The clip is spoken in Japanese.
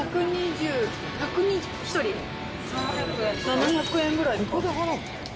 ７００円ぐらいか。